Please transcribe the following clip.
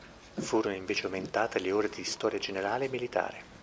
Furono invece aumentate le ore di storia generale e militare.